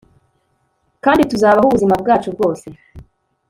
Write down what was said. kandi tuzabaho ubuzima bwacu bwose